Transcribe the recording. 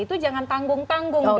itu jangan tanggung tanggung